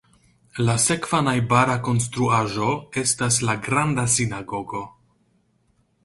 La sekva najbara konstruaĵo estas la Granda Sinagogo.